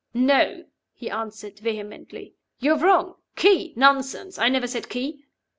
"No!" he answered, vehemently. "You're wrong. 'Key?' Nonsense! I never said 'Key.